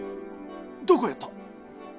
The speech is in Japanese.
どこをやった？